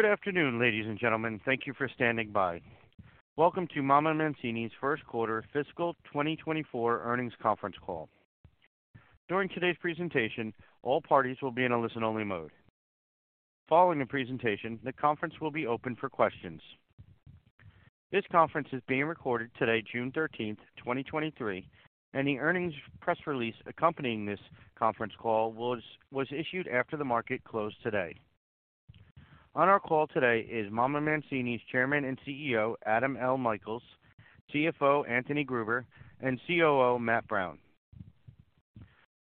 Good afternoon, ladies and gentlemen. Thank you for standing by. Welcome to MamaMancini's 1st quarter fiscal 2024 earnings conference call. During today's presentation, all parties will be in a listen-only mode. Following the presentation, the conference will be open for questions. This conference is being recorded today, June 13, 2023. The earnings press release accompanying this conference call was issued after the market closed today. On our call today is MamaMancini's Chairman and CEO Adam L. Michaels, CFO Anthony Gruber and COO Matthew Brown.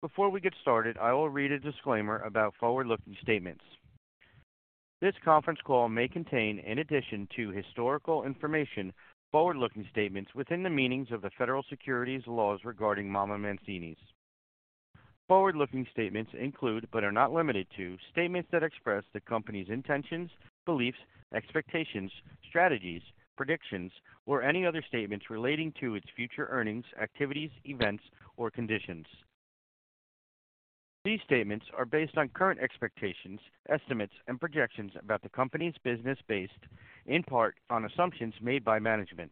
Before we get started, I will read a disclaimer about forward-looking statements. This conference call may contain, in addition to historical information, forward-looking statements within the meanings of the federal securities laws regarding MamaMancini's. Forward-looking statements include, but are not limited to, statements that express the company's intentions, beliefs, expectations, strategies, predictions, or any other statements relating to its future earnings, activities, events, or conditions. These statements are based on current expectations, estimates, and projections about the company's business, based in part on assumptions made by management.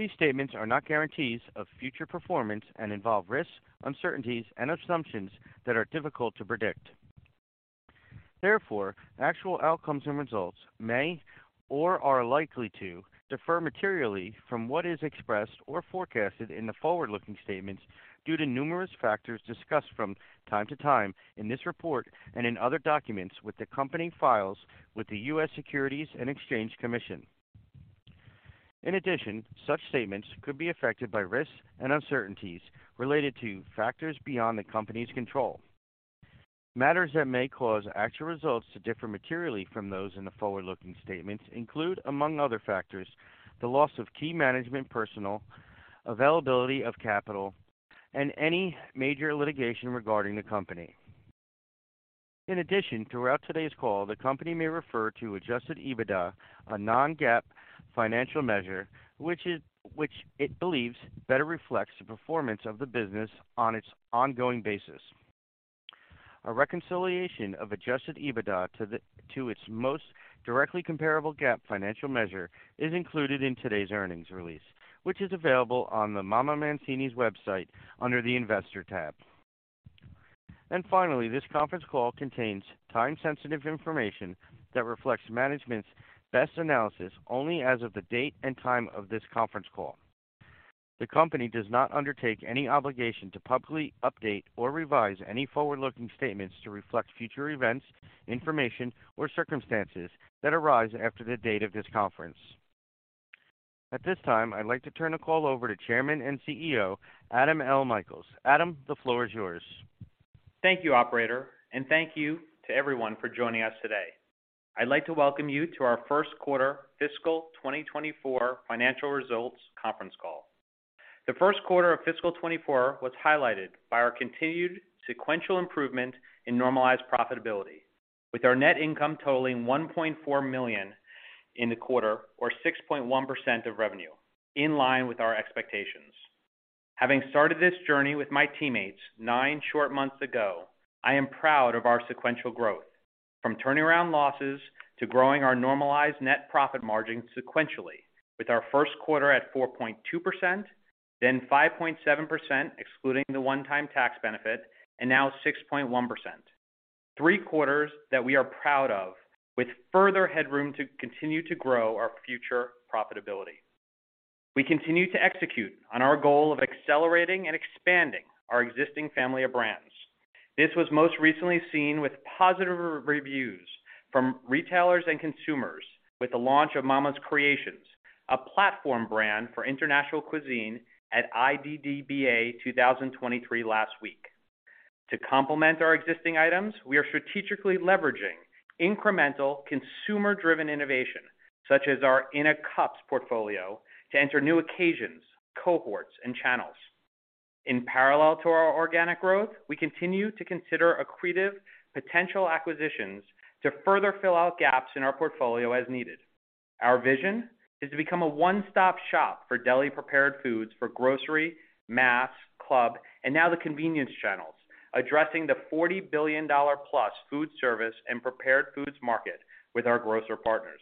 These statements are not guarantees of future performance and involve risks, uncertainties, and assumptions that are difficult to predict. Therefore, actual outcomes and results may or are likely to differ materially from what is expressed or forecasted in the forward-looking statements due to numerous factors discussed from time to time in this report and in other documents with the company files with the U.S. Securities and Exchange Commission. In addition, such statements could be affected by risks and uncertainties related to factors beyond the company's control. Matters that may cause actual results to differ materially from those in the forward-looking statements include, among other factors, the loss of key management personnel, availability of capital, and any major litigation regarding the company. In addition, throughout today's call, the company may refer to adjusted EBITDA, a non-GAAP financial measure, which it believes better reflects the performance of the business on its ongoing basis. A reconciliation of adjusted EBITDA to its most directly comparable GAAP financial measure is included in today's earnings release, which is available on the MamaMancini's website under the Investor tab. Finally, this conference call contains time-sensitive information that reflects management's best analysis only as of the date and time of this conference call. The company does not undertake any obligation to publicly update or revise any forward-looking statements to reflect future events, information, or circumstances that arise after the date of this conference. At this time, I'd like to turn the call over to Chairman and CEO, Adam L. Michaels. Adam, the floor is yours. Thank you, operator, and thank you to everyone for joining us today. I'd like to welcome you to our first quarter fiscal 2024 financial results conference call. The first quarter of fiscal 2024 was highlighted by our continued sequential improvement in normalized profitability, with our net income totaling $1.4 million in the quarter, or 6.1% of revenue, in line with our expectations. Having started this journey with my teammates nine short months ago, I am proud of our sequential growth, from turning around losses to growing our normalized net profit margin sequentially with our first quarter at 4.2%, then 5.7%, excluding the one-time tax benefit, and now 6.1%. Three quarters that we are proud of, with further headroom to continue to grow our future profitability. We continue to execute on our goal of accelerating and expanding our existing family of brands. This was most recently seen with positive reviews from retailers and consumers with the launch of Mama's Creations, a platform brand for international cuisine at IDDBA 2023 last week. To complement our existing items, we are strategically leveraging incremental consumer-driven innovation, such as our In a Cups portfolio, to enter new occasions, cohorts, and channels. In parallel to our organic growth, we continue to consider accretive potential acquisitions to further fill out gaps in our portfolio as needed. Our vision is to become a one-stop shop for deli-prepared foods for grocery, mass, club, and now the convenience channels, addressing the $40 billion plus food service and prepared foods market with our grocer partners.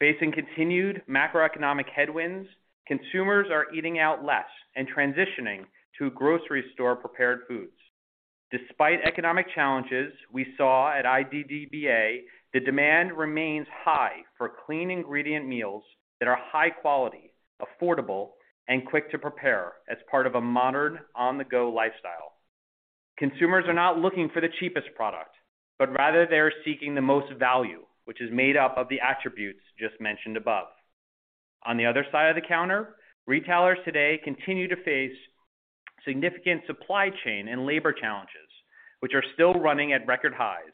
Facing continued macroeconomic headwinds, consumers are eating out less and transitioning to grocery store prepared foods. Despite economic challenges, we saw at IDDBA, the demand remains high for clean ingredient meals that are high quality, affordable, and quick to prepare as part of a modern, on-the-go lifestyle. Consumers are not looking for the cheapest product, but rather they are seeking the most value, which is made up of the attributes just mentioned above. On the other side of the counter, retailers today continue to face significant supply chain and labor challenges, which are still running at record highs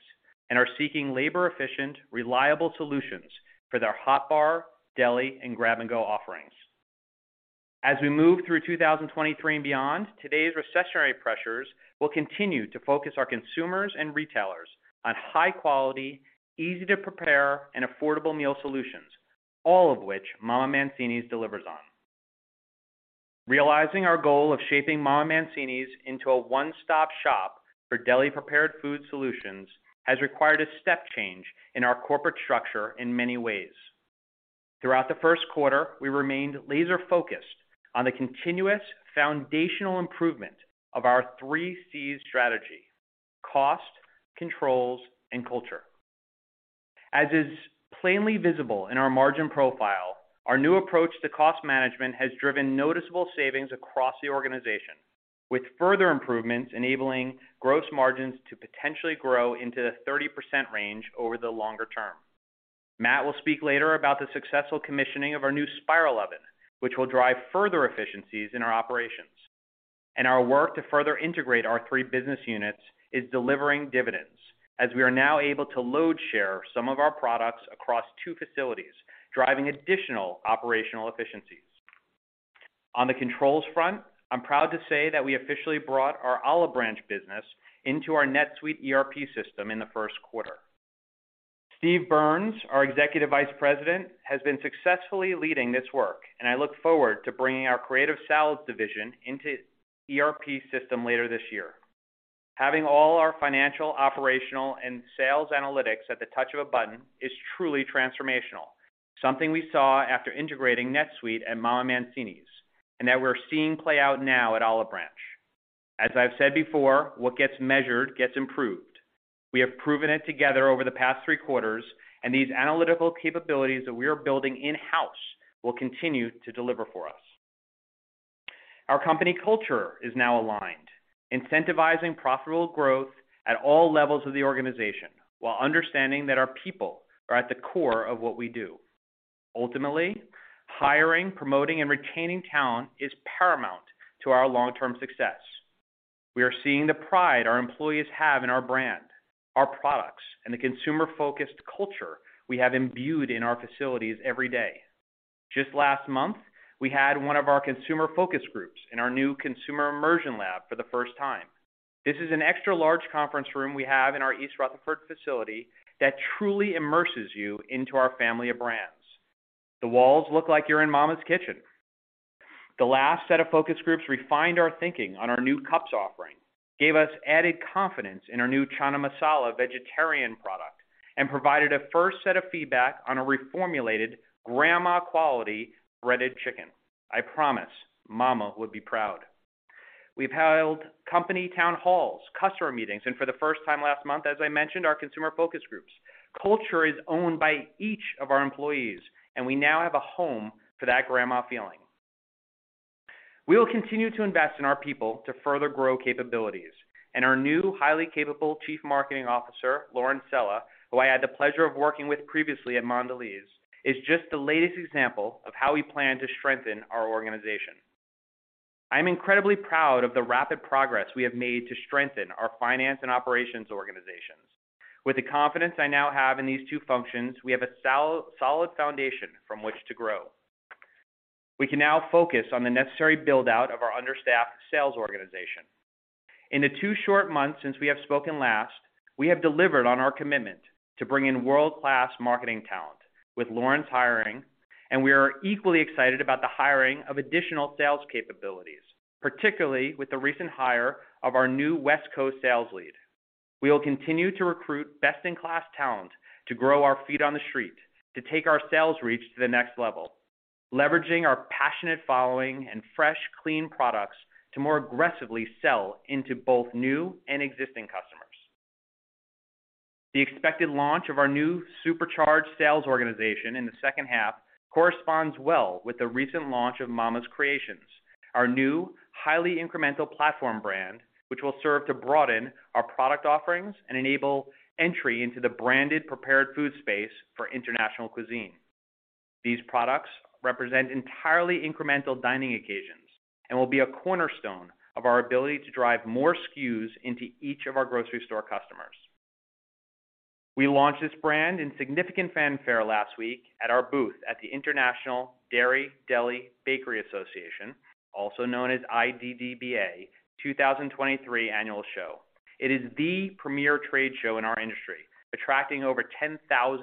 and are seeking labor-efficient, reliable solutions for their hot bar, deli, and grab-and-go offerings. As we move through 2023 and beyond, today's recessionary pressures will continue to focus our consumers and retailers on high quality, easy to prepare, and affordable meal solutions, all of which MamaMancini's delivers on. Realizing our goal of shaping MamaMancini's into a one-stop shop for deli-prepared food solutions, has required a step change in our corporate structure in many ways. Throughout the first quarter, we remained laser-focused on the continuous foundational improvement of our 3 C's strategy: cost, controls, and culture. As is plainly visible in our margin profile, our new approach to cost management has driven noticeable savings across the organization, with further improvements enabling gross margins to potentially grow into the 30% range over the longer term. Matt will speak later about the successful commissioning of our new Spiral Oven, which will drive further efficiencies in our operations. Our work to further integrate our 3 business units is delivering dividends, as we are now able to load share some of our products across two facilities, driving additional operational efficiencies. On the controls front, I'm proud to say that we officially brought our Olive Branch business into our NetSuite ERP system in the first quarter. Steven Burns, our Executive Vice President, has been successfully leading this work, and I look forward to bringing our Creative Salads division into ERP system later this year. Having all our financial, operational, and sales analytics at the touch of a button is truly transformational, something we saw after integrating NetSuite and MamaMancini's, and that we're seeing play out now at Olive Branch. As I've said before, what gets measured gets improved. We have proven it together over the past three quarters, and these analytical capabilities that we are building in-house will continue to deliver for us. Our company culture is now aligned, incentivizing profitable growth at all levels of the organization, while understanding that our people are at the core of what we do. Ultimately, hiring, promoting, and retaining talent is paramount to our long-term success. We are seeing the pride our employees have in our brand, our products, and the consumer-focused culture we have imbued in our facilities every day. Just last month, we had one of our consumer focus groups in our new consumer immersion lab for the first time. This is an extra large conference room we have in our East Rutherford facility that truly immerses you into our family of brands. The walls look like you're in Mama's kitchen. The last set of focus groups refined our thinking on our new cups offering, gave us added confidence in our new Chana Masala vegetarian product, and provided a first set of feedback on a reformulated grandma quality breaded chicken. I promise, Mama would be proud. We've held company town halls, customer meetings, and for the first time last month, as I mentioned, our consumer focus groups. Culture is owned by each of our employees, and we now have a home for that grandma feeling. We will continue to invest in our people to further grow capabilities, and our new, highly capable Chief Marketing Officer, Lauren Sella, who I had the pleasure of working with previously at Mondelēz, is just the latest example of how we plan to strengthen our organization. I'm incredibly proud of the rapid progress we have made to strengthen our finance and operations organizations. With the confidence I now have in these two functions, we have a solid foundation from which to grow. We can now focus on the necessary build-out of our understaffed sales organization. In the two short months since we have spoken last, we have delivered on our commitment to bring in world-class marketing talent with Lauren's hiring. We are equally excited about the hiring of additional sales capabilities, particularly with the recent hire of our new West Coast sales lead. We will continue to recruit best-in-class talent to grow our feet on the street, to take our sales reach to the next level, leveraging our passionate following and fresh, clean products to more aggressively sell into both new and existing customers. The expected launch of our new supercharged sales organization in the second half corresponds well with the recent launch of Mama's Creations, our new highly incremental platform brand, which will serve to broaden our product offerings and enable entry into the branded prepared food space for international cuisine. These products represent entirely incremental dining occasions and will be a cornerstone of our ability to drive more SKUs into each of our grocery store customers. We launched this brand in significant fanfare last week at our booth at the International Dairy Deli Bakery Association, also known as IDDBA, 2023 annual show. It is the premier trade show in our industry, attracting over 10,000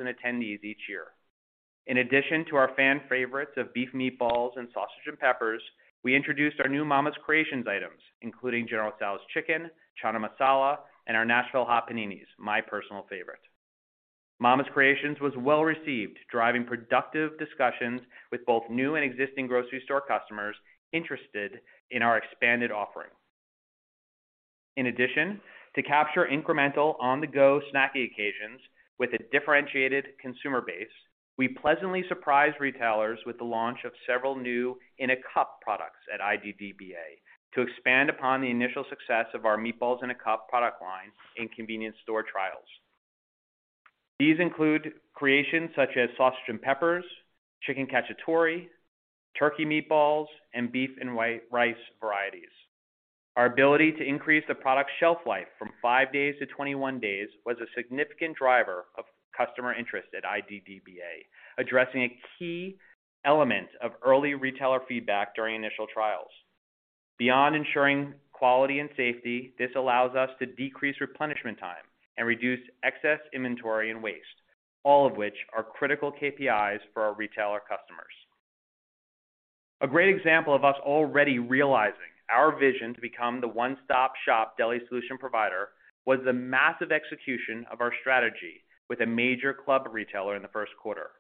attendees each year. In addition to our fan favorites of Beef Meatballs and Sausage and Peppers, we introduced our new Mama's Creations items, including General Tso's Chicken, Chana Masala, and our Nashville Hot Paninis, my personal favorite. Mama's Creations was well-received, driving productive discussions with both new and existing grocery store customers interested in our expanded offerings. To capture incremental on-the-go snacking occasions with a differentiated consumer base, we pleasantly surprised retailers with the launch of several new In a Cup products at IDDBA, to expand upon the initial success of our Meatballs in a Cup product line in convenience store trials. These include creations such as Sausage and Peppers, Chicken Cacciatore, Turkey Meatballs, and Beef and White Rice varieties. Our ability to increase the product shelf life from 5 days to 21 days was a significant driver of customer interest at IDDBA, addressing a key element of early retailer feedback during initial trials. Beyond ensuring quality and safety, this allows us to decrease replenishment time and reduce excess inventory and waste, all of which are critical KPIs for our retailer customers. A great example of us already realizing our vision to become the one-stop-shop deli solution provider was the massive execution of our strategy with a major club retailer in the first quarter.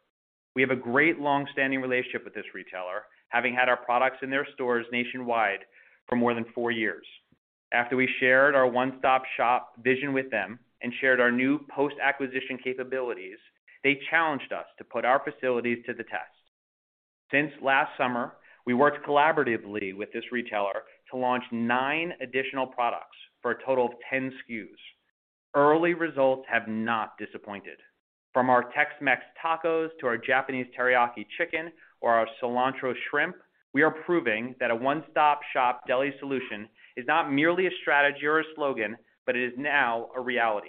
We have a great long-standing relationship with this retailer, having had our products in their stores nationwide for more than 4 years. After we shared our one-stop-shop vision with them and shared our new post-acquisition capabilities, they challenged us to put our facilities to the test. Since last summer, we worked collaboratively with this retailer to launch 9 additional products for a total of 10 SKUs. Early results have not disappointed. From our Tex-Mex tacos to our Japanese teriyaki chicken or our cilantro shrimp, we are proving that a one-stop-shop deli solution is not merely a strategy or a slogan, but it is now a reality.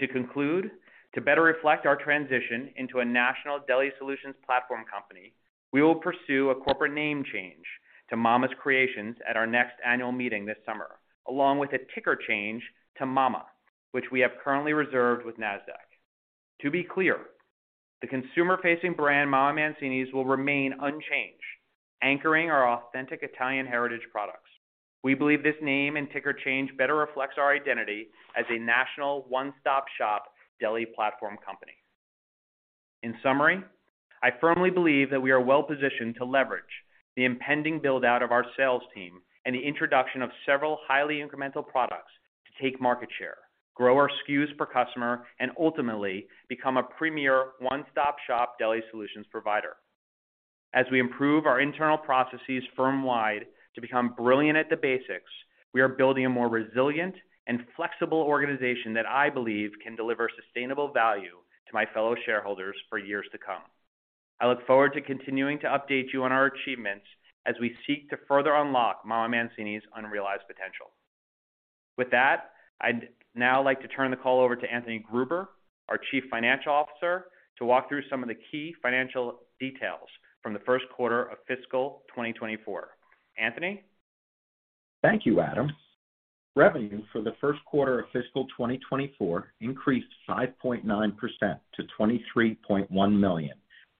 To conclude, to better reflect our transition into a national deli solutions platform company, we will pursue a corporate name change to Mama's Creations at our next annual meeting this summer, along with a ticker change to MAMA, which we have currently reserved with Nasdaq. To be clear, the consumer-facing brand, MamaMancini's, will remain unchanged, anchoring our authentic Italian heritage products. We believe this name and ticker change better reflects our identity as a national one-stop-shop deli platform company. In summary, I firmly believe that we are well-positioned to leverage the impending build-out of our sales team and the introduction of several highly incremental products to take market share, grow our SKUs per customer, and ultimately, become a premier one-stop-shop deli solutions provider. As we improve our internal processes firm-wide to become brilliant at the basics, we are building a more resilient and flexible organization that I believe can deliver sustainable value to my fellow shareholders for years to come. I look forward to continuing to update you on our achievements as we seek to further unlock MamaMancini's unrealized potential. With that, I'd now like to turn the call over to Anthony Gruber, our Chief Financial Officer, to walk through some of the key financial details from the first quarter of fiscal 2024. Anthony? Thank you, Adam. Revenue for the first quarter of fiscal 2024 increased 5.9% to $23.1 million,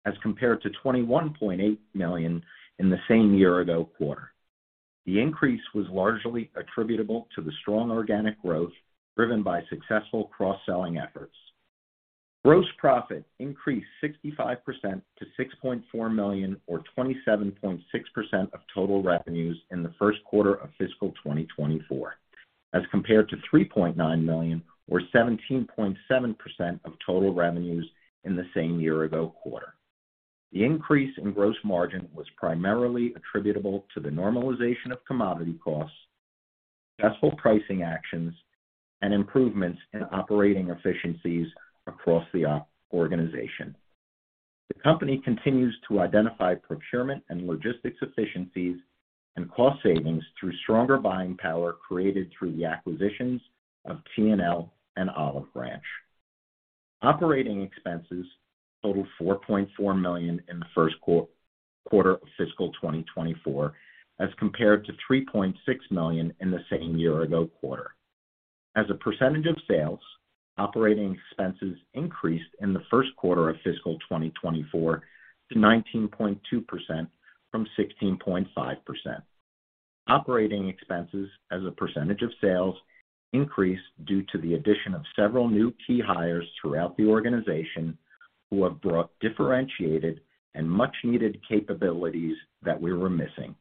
as compared to $21.8 million in the same year-ago quarter. The increase was largely attributable to the strong organic growth, driven by successful cross-selling efforts. Gross profit increased 65% to $6.4 million, or 27.6% of total revenues in the first quarter of fiscal 2024, as compared to $3.9 million, or 17.7% of total revenues in the same year-ago quarter. The increase in gross margin was primarily attributable to the normalization of commodity costs, successful pricing actions, and improvements in operating efficiencies across the organization. The company continues to identify procurement and logistics efficiencies and cost savings through stronger buying power created through the acquisitions of T&L and Olive Branch. Operating expenses totaled $4.4 million in the first quarter of fiscal 2024, as compared to $3.6 million in the same year-ago quarter. As a percentage of sales, operating expenses increased in the first quarter of fiscal 2024 to 19.2% from 16.5%. Operating expenses as a percentage of sales increased due to the addition of several new key hires throughout the organization, who have brought differentiated and much-needed capabilities that we were missing.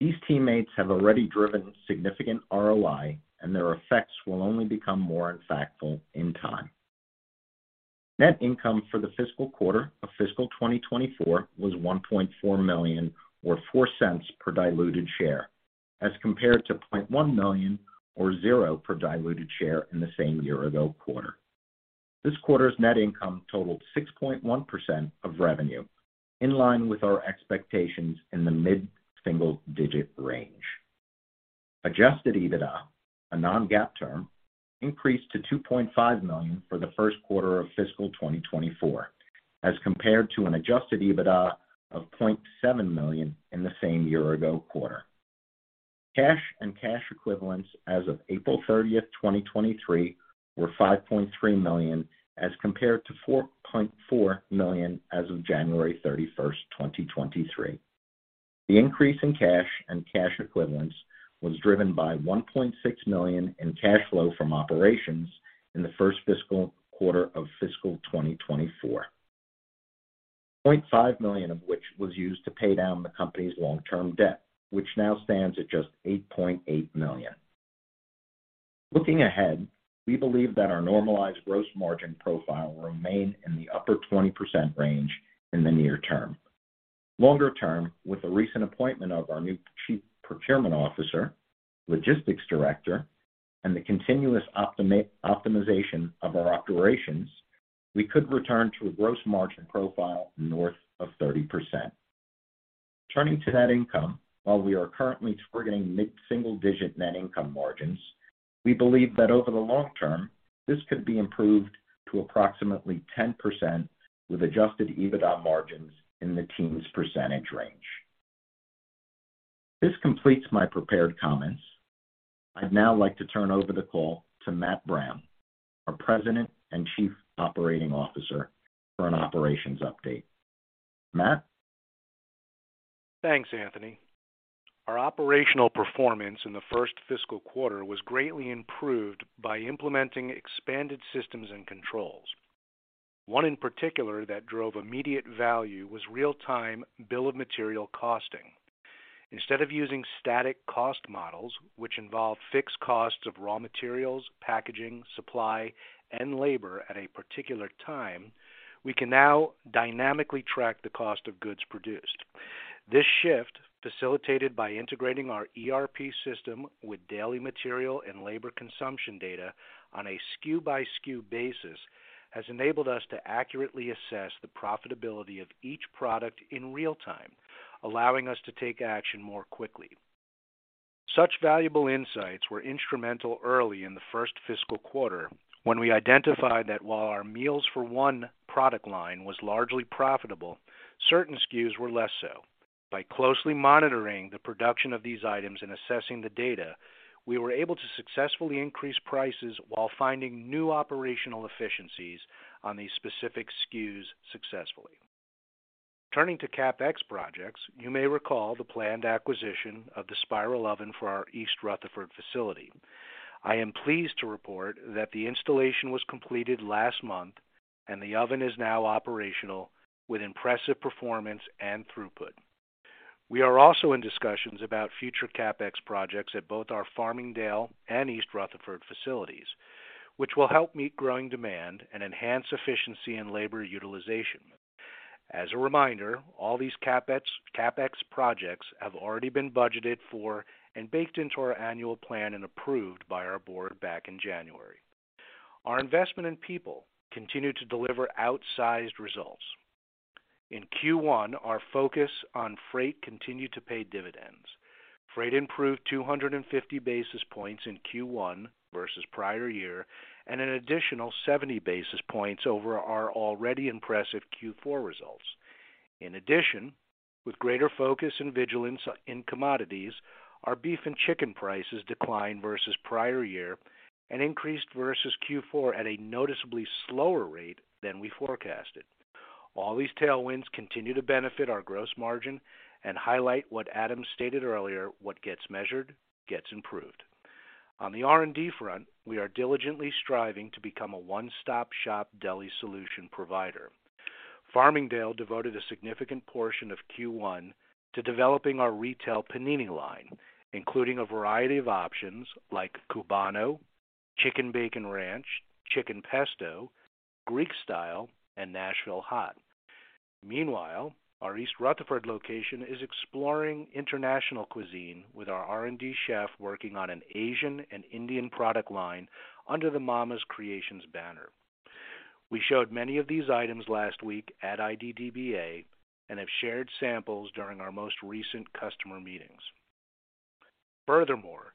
These teammates have already driven significant ROI, and their effects will only become more impactful in time. Net income for the fiscal quarter of fiscal 2024 was $1.4 million, or $0.04 per diluted share, as compared to $0.1 million or $0 per diluted share in the same year-ago quarter. This quarter's net income totaled 6.1% of revenue, in line with our expectations in the mid-single digit range. Adjusted EBITDA, a non-GAAP term, increased to $2.5 million for the first quarter of fiscal 2024, as compared to an adjusted EBITDA of $0.7 million in the same year-ago quarter. Cash and cash equivalents as of April 30th, 2023, were $5.3 million, as compared to $4.4 million as of January 31st, 2023. The increase in cash and cash equivalents was driven by $1.6 million in cash flow from operations in the first fiscal quarter of fiscal 2024, $0.5 million of which was used to pay down the company's long-term debt, which now stands at just $8.8 million. Looking ahead, we believe that our normalized gross margin profile will remain in the upper 20% range in the near term. Longer term, with the recent appointment of our new Chief Procurement Officer, Logistics Director, and the continuous optimization of our operations, we could return to a gross margin profile north of 30%. Turning to net income, while we are currently targeting mid-single digit net income margins. We believe that over the long term, this could be improved to approximately 10%, with adjusted EBITDA margins in the teens percentage range. This completes my prepared comments. I'd now like to turn over the call to Matt Brown, our President and Chief Operating Officer, for an operations update. Matt? Thanks, Anthony. Our operational performance in the first fiscal quarter was greatly improved by implementing expanded systems and controls. One in particular that drove immediate value was real-time bill of material costing. Instead of using static cost models, which involve fixed costs of raw materials, packaging, supply, and labor at a particular time, we can now dynamically track the cost of goods produced. This shift, facilitated by integrating our ERP system with daily material and labor consumption data on a SKU-by-SKU basis, has enabled us to accurately assess the profitability of each product in real time, allowing us to take action more quickly. Such valuable insights were instrumental early in the first fiscal quarter, when we identified that while our Meals for One product line was largely profitable, certain SKUs were less so. By closely monitoring the production of these items and assessing the data, we were able to successfully increase prices while finding new operational efficiencies on these specific SKUs successfully. Turning to CapEx projects, you may recall the planned acquisition of the Spiral Oven for our East Rutherford facility. I am pleased to report that the installation was completed last month, and the oven is now operational with impressive performance and throughput. We are also in discussions about future CapEx projects at both our Farmingdale and East Rutherford facilities, which will help meet growing demand and enhance efficiency and labor utilization. As a reminder, all these CapEx projects have already been budgeted for and baked into our annual plan and approved by our board back in January. Our investment in people continued to deliver outsized results. In Q1, our focus on freight continued to pay dividends. Freight improved 250 basis points in Q1 versus prior year, and an additional 70 basis points over our already impressive Q4 results. In addition, with greater focus and vigilance in commodities, our beef and chicken prices declined versus prior year and increased versus Q4 at a noticeably slower rate than we forecasted. All these tailwinds continue to benefit our gross margin and highlight what Adam stated earlier, "What gets measured, gets improved." On the R&D front, we are diligently striving to become a one-stop-shop deli solution provider. Farmingdale devoted a significant portion of Q1 to developing our retail panini line, including a variety of options like Cubano, Chicken Bacon Ranch, Chicken Pesto, Greek Style, and Nashville Hot. Meanwhile, our East Rutherford location is exploring international cuisine, with our R&D chef working on an Asian and Indian product line under the Mama's Creations banner. We showed many of these items last week at IDDBA and have shared samples during our most recent customer meetings. Furthermore,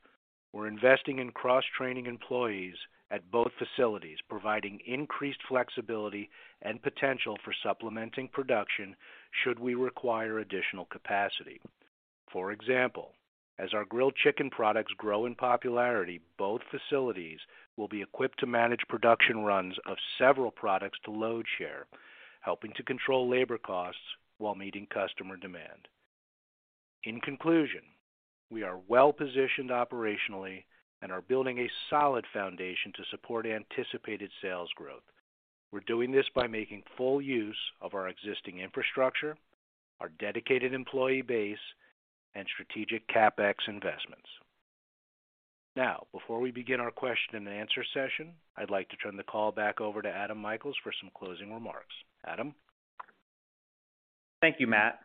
we're investing in cross-training employees at both facilities, providing increased flexibility and potential for supplementing production should we require additional capacity. For example, as our grilled chicken products grow in popularity, both facilities will be equipped to manage production runs of several products to load share, helping to control labor costs while meeting customer demand. In conclusion, we are well-positioned operationally and are building a solid foundation to support anticipated sales growth. We're doing this by making full use of our existing infrastructure, our dedicated employee base, and strategic CapEx investments. Now, before we begin our question and answer session, I'd like to turn the call back over to Adam L. Michaels for some closing remarks. Adam? Thank you, Matt.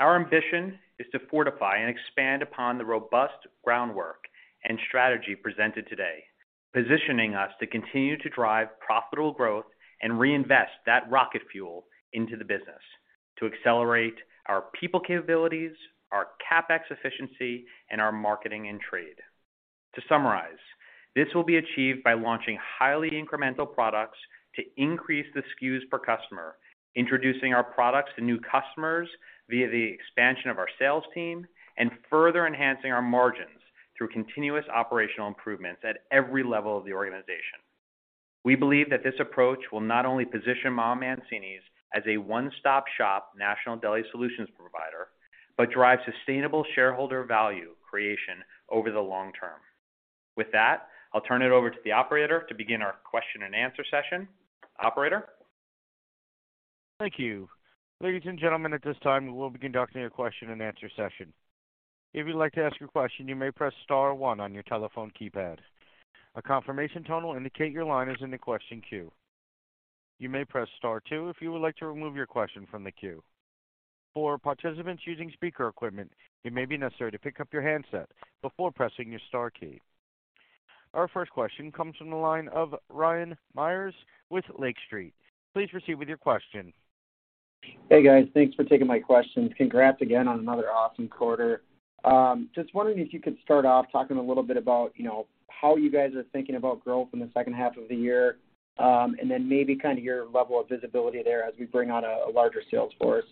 Our ambition is to fortify and expand upon the robust groundwork and strategy presented today, positioning us to continue to drive profitable growth and reinvest that rocket fuel into the business, to accelerate our people capabilities, our CapEx efficiency, and our marketing and trade. To summarize, this will be achieved by launching highly incremental products to increase the SKUs per customer, introducing our products to new customers via the expansion of our sales team, and further enhancing our margins through continuous operational improvements at every level of the organization. We believe that this approach will not only position MamaMancini's as a one-stop-shop national deli solutions provider, but drive sustainable shareholder value creation over the long term. With that, I'll turn it over to the operator to begin our question and answer session. Operator? Thank you. Ladies and gentlemen, at this time, we will be conducting a question-and-answer session. If you'd like to ask a question, you may press star one on your telephone keypad. A confirmation tone will indicate your line is in the question queue. You may press star two if you would like to remove your question from the queue. For participants using speaker equipment, it may be necessary to pick up your handset before pressing your star key. Our first question comes from the line of Ryan Meyers with Lake Street. Please proceed with your question. Hey, guys. Thanks for taking my questions. Congrats again on another awesome quarter. Just wondering if you could start off talking a little bit about, you know, how you guys are thinking about growth in the second half of the year, and then maybe kind of your level of visibility there as we bring on a larger sales force.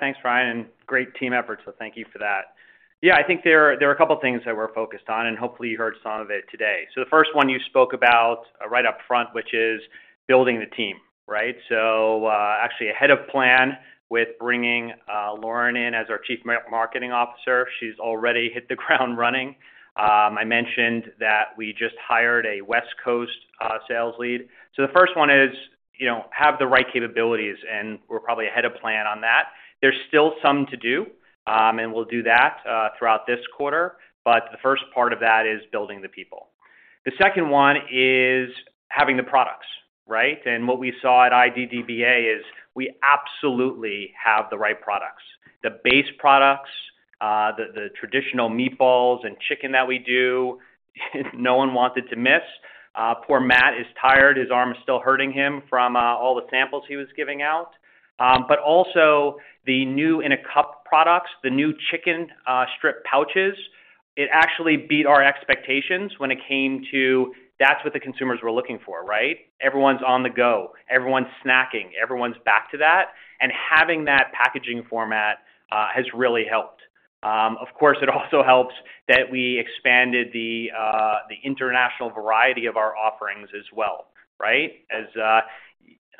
Thanks, Ryan. Great team effort, so thank you for that. I think there are, there are a couple of things that we're focused on, and hopefully, you heard some of it today. The first one you spoke about, right up front, which is building the team, right? Actually ahead of plan with bringing Lauren in as our Chief Marketing Officer. She's already hit the ground running. I mentioned that we just hired a West Coast sales lead. The first one is, you know, have the right capabilities, and we're probably ahead of plan on that. There's still some to do, and we'll do that throughout this quarter, but the first part of that is building the people. The second one is having the products, right? What we saw at IDDBA is we absolutely have the right products. The base products, the traditional meatballs and chicken that we do, no one wanted to miss. Poor Matt is tired. His arm is still hurting him from all the samples he was giving out. Also the new In a Cup products, the new chicken strip pouches, it actually beat our expectations when it came to, that's what the consumers were looking for, right? Everyone's on the go, everyone's snacking, everyone's back to that, and having that packaging format has really helped. Of course, it also helps that we expanded the international variety of our offerings as well, right? As, I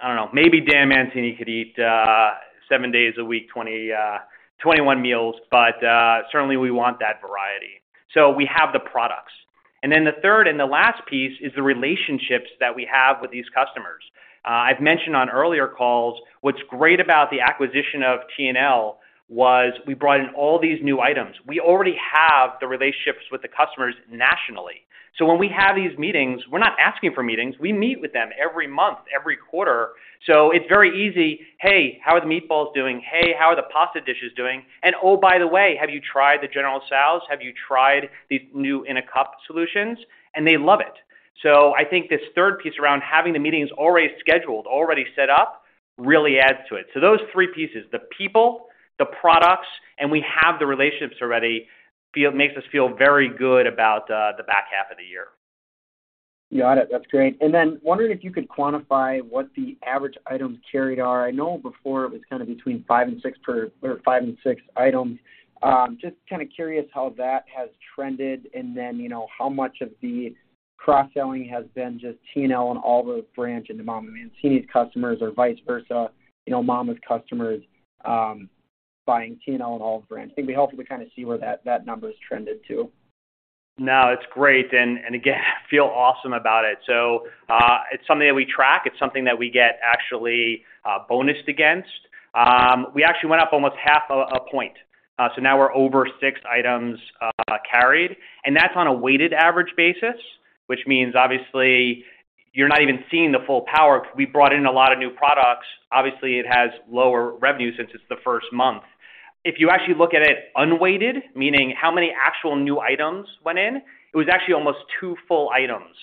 don't know, maybe Dan Mancini could eat seven days a week, 21 meals, certainly we want that variety. We have the products. Then the third and the last piece is the relationships that we have with these customers. I've mentioned on earlier calls, what's great about the acquisition of T&L was we brought in all these new items. We already have the relationships with the customers nationally. When we have these meetings, we're not asking for meetings, we meet with them every month, every quarter. It's very easy. "Hey, how are the meatballs doing? Hey, how are the pasta dishes doing? Oh, by the way, have you tried the General Tso's? Have you tried the new In a Cup solutions?" They love it. I think this third piece around having the meetings already scheduled, already set up, really adds to it. Those three pieces, the people, the products, and we have the relationships already, makes us feel very good about the back half of the year. Wondering if you could quantify what the average items carried are. I know before it was kind of between 5 and 6 items. Just kind of curious how that has trended, you know, how much of the cross-selling has been just T&L and Olive Branch into MamaMancini's customers or vice versa, you know, Mama's customers buying T&L and Olive Branch. It would be helpful to kind of see where that number's trended to. No, it's great, and again, feel awesome about it. It's something that we track. It's something that we get actually bonused against. We actually went up almost half a point. Now we're over six items carried, and that's on a weighted average basis, which means obviously, you're not even seeing the full power. We brought in a lot of new products. Obviously, it has lower revenue since it's the first month. If you actually look at it unweighted, meaning how many actual new items went in, it was actually almost two full items,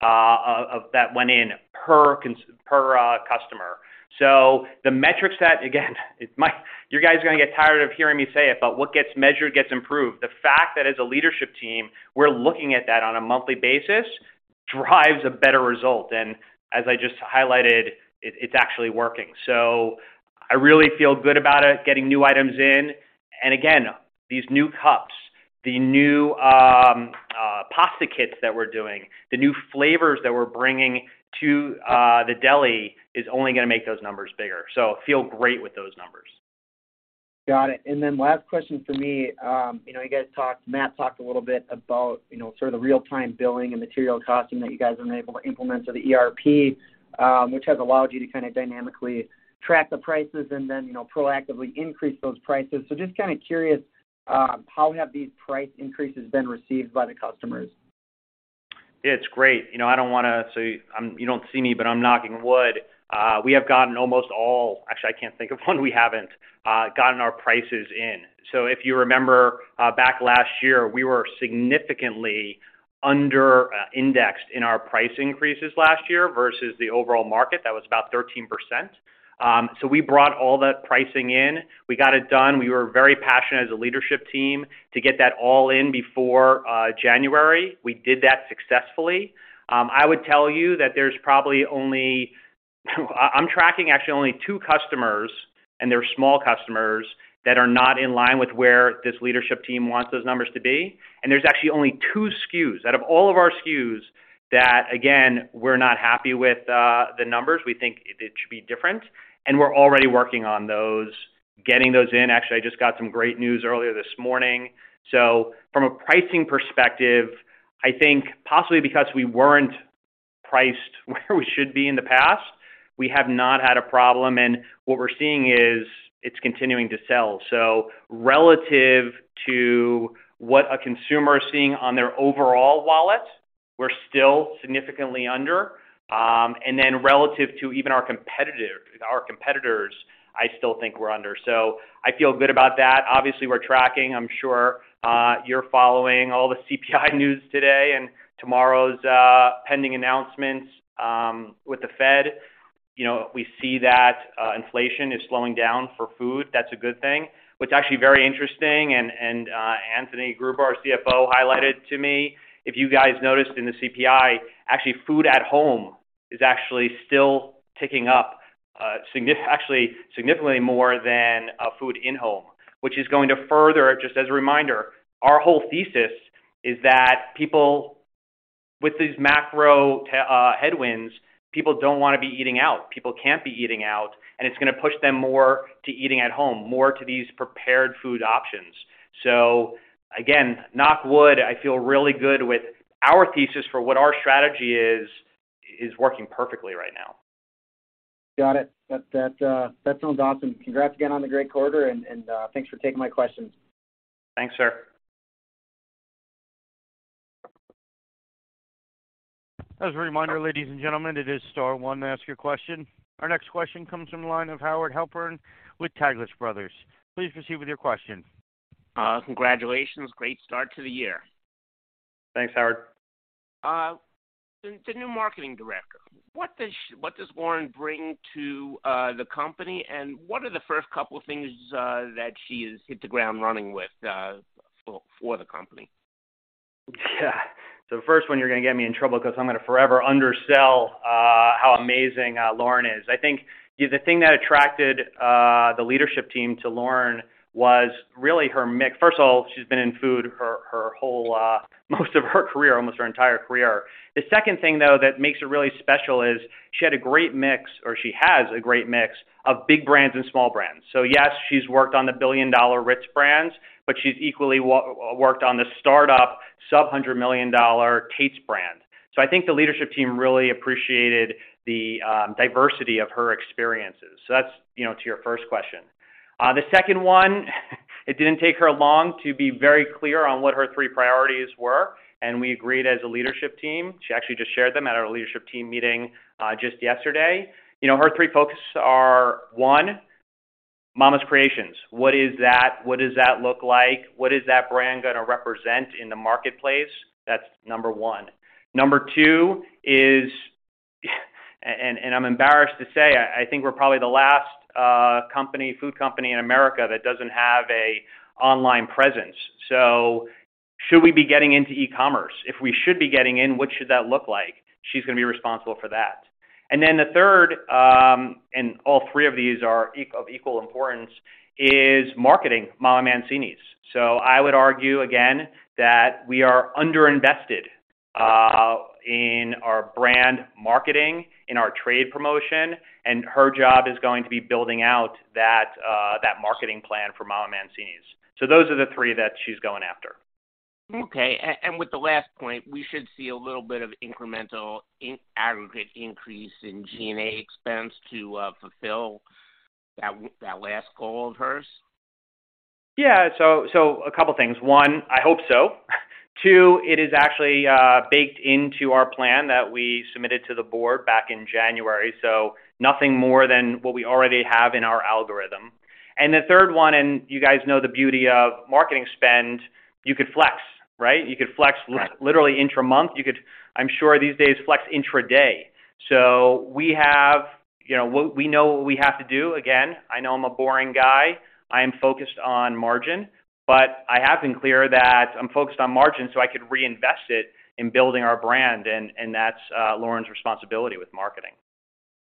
that went in per customer. The metrics that, again, you guys are gonna get tired of hearing me say it, but what gets measured gets improved. The fact that as a leadership team, we're looking at that on a monthly basis, drives a better result. As I just highlighted, it's actually working. I really feel good about it, getting new items in. Again, these new cups, the new pasta kits that we're doing, the new flavors that we're bringing to the deli, is only gonna make those numbers bigger. Feel great with those numbers. Got it. Last question for me. you know, you guys Matt talked a little bit about, you know, sort of the real-time bill of material costing that you guys have been able to implement to the ERP, which has allowed you to dynamically track the prices and then, you know, proactively increase those prices. Just kind of curious, how have these price increases been received by the customers? It's great. You know, I don't wanna say, you don't see me, but I'm knocking wood. We have gotten almost all, Actually, I can't think of one we haven't gotten our prices in. If you remember, back last year, we were significantly under indexed in our price increases last year versus the overall market. That was about 13%. We brought all that pricing in. We got it done. We were very passionate as a leadership team to get that all in before January. We did that successfully. I would tell you that there's probably only, I'm tracking actually only 2 customers, and they're small customers that are not in line with where this leadership team wants those numbers to be. There's actually only 2 SKUs, out of all of our SKUs, that again, we're not happy with the numbers. We think it should be different, and we're already working on those, getting those in. Actually, I just got some great news earlier this morning. From a pricing perspective, I think possibly because we weren't priced where we should be in the past, we have not had a problem, and what we're seeing is it's continuing to sell. Relative to what a consumer is seeing on their overall wallet, we're still significantly under. Relative to even our competitors, I still think we're under. I feel good about that. Obviously, we're tracking. I'm sure you're following all the CPI news today, and tomorrow's pending announcements with the Fed. You know, we see that inflation is slowing down for food. That's a good thing. What's actually very interesting and Anthony Gruber, our CFO, highlighted to me, if you guys noticed in the CPI, actually, food at home is actually still ticking up significantly more than food in home, which is going to further. Just as a reminder, our whole thesis is that people with these macro headwinds, people don't wanna be eating out. People can't be eating out, it's gonna push them more to eating at home, more to these prepared food options. Again, knock on wood, I feel really good with our thesis for what our strategy is working perfectly right now. Got it. That sounds awesome. Congrats again on the great quarter and thanks for taking my questions. Thanks, sir. As a reminder, ladies and gentlemen, it is star 1 to ask your question. Our next question comes from the line of Howard Halpern with Taglich Brothers. Please proceed with your question. Congratulations. Great start to the year. Thanks, Howard. The new marketing director, what does Lauren Sella bring to the company? And what are the first couple things that she has hit the ground running with for the company? Yeah. The first one, you're gonna get me in trouble because I'm gonna forever undersell how amazing Lauren is. I think the thing that attracted the leadership team to Lauren was really her mix. First of all, she's been in food her whole most of her career, almost her entire career. The second thing, though, that makes her really special is, she had a great mix, or she has a great mix of big brands and small brands. Yes, she's worked on the billion-dollar Ritz brands, but she's equally worked on the start-up, sub-hundred million dollar Tate's brand. I think the leadership team really appreciated the diversity of her experiences. That's, you know, to your first question. The second one, it didn't take her long to be very clear on what her three priorities were, and we agreed as a leadership team. She actually just shared them at our leadership team meeting just yesterday. You know, her three focuses are, one, Mama's Creations. What is that? What does that look like? What is that brand gonna represent in the marketplace? That's number one. Number two is, and I'm embarrassed to say, I think we're probably the last company, food company in America that doesn't have an online presence. Should we be getting into e-commerce? If we should be getting in, what should that look like? She's gonna be responsible for that. Then the third, and all three of these are of equal importance, is marketing Mama Mancini's. I would argue again that we are underinvested in our brand marketing, in our trade promotion, and her job is going to be building out that marketing plan for MamaMancini's. Those are the three that she's going after. Okay. with the last point, we should see a little bit of incremental aggregate increase in G&A expense to fulfill that last goal of hers? Yeah. A couple things. One, I hope so. Two, it is actually baked into our plan that we submitted to the board back in January, so nothing more than what we already have in our algorithm. The third one, you guys know the beauty of marketing spend, you could flex, right? Right Literally intra-month. You could, I'm sure, these days, flex intra-day. You know, we know what we have to do. Again, I know I'm a boring guy. I am focused on margin, but I have been clear that I'm focused on margin, so I could reinvest it in building our brand, and that's Lauren's responsibility with marketing.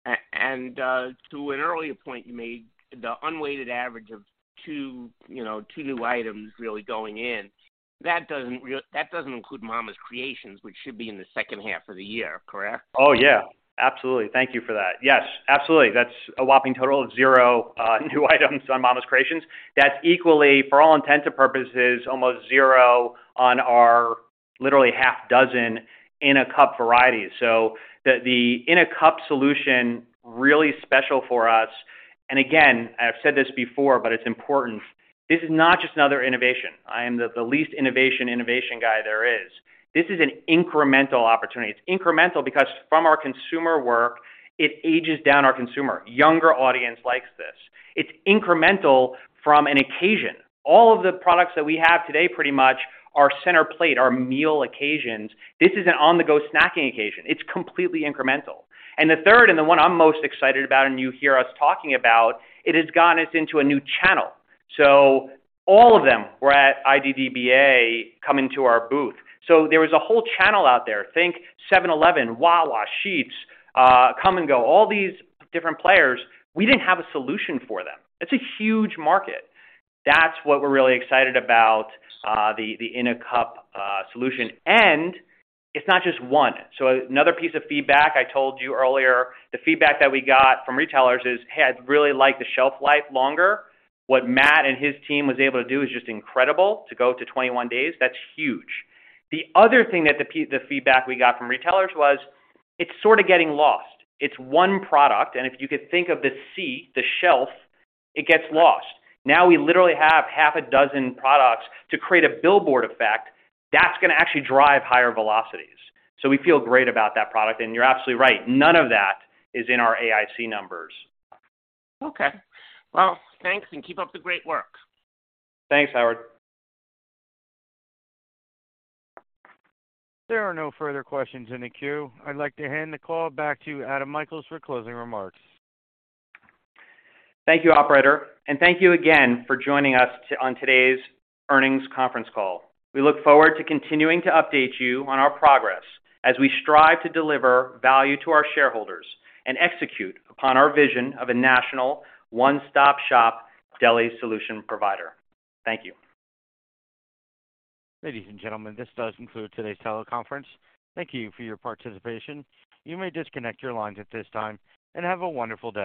To an earlier point, you made the unweighted average of 2, you know, 2 new items really going in. That doesn't that doesn't include Mama's Creations, which should be in the second half of the year, correct? Oh, yeah. Absolutely. Thank you for that. Yes, absolutely. That's a whopping total of 0 new items on Mama's Creations. That's equally, for all intents and purposes, almost 0 on our literally 6 In a Cup varieties. The, the In a Cup solution, really special for us. Again, I've said this before, but it's important: this is not just another innovation. I am the least innovation guy there is. This is an incremental opportunity. It's incremental because from our consumer work, it ages down our consumer. Younger audience likes this. It's incremental from an occasion. All of the products that we have today, pretty much, are center plate, are meal occasions. This is an on-the-go snacking occasion. It's completely incremental. The third, and the one I'm most excited about, and you hear us talking about, it has gotten us into a new channel. All of them were at IDDBA, coming to our booth. There was a whole channel out there. Think 7-Eleven, Wawa, Sheetz, Kum & Go, all these different players, we didn't have a solution for them. It's a huge market. That's what we're really excited about, the In a Cup solution. It's not just one. Another piece of feedback I told you earlier, the feedback that we got from retailers is, "Hey, I'd really like the shelf life longer." What Matt and his team was able to do is just incredible, to go to 21 days. That's huge. The other thing that the feedback we got from retailers was, it's sort of getting lost. It's one product, and if you could think of the C, the shelf, it gets lost. We literally have half a dozen products to create a billboard effect that's gonna actually drive higher velocities. We feel great about that product, and you're absolutely right, none of that is in our AIC numbers. Okay. Well, thanks, and keep up the great work. Thanks, Howard. There are no further questions in the queue. I'd like to hand the call back to Adam Michaels for closing remarks. Thank you, operator, and thank you again for joining us on today's earnings conference call. We look forward to continuing to update you on our progress as we strive to deliver value to our shareholders, and execute upon our vision of a national one-stop shop deli solution provider. Thank you. Ladies and gentlemen, this does conclude today's teleconference. Thank you for your participation. You may disconnect your lines at this time, and have a wonderful day.